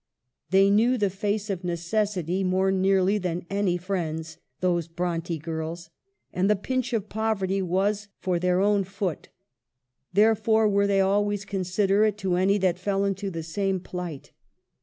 They knew the face of necessity more nearly than any friend's, those Bronte girls, and the pinch of poverty was for their own foot ; there fore were they always considerate to any that fell into the same plight.